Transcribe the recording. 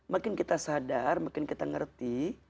makin kita sadar makin kita ngerti